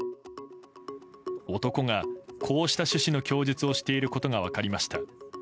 男が、こうした趣旨の供述をしていることが分かりました。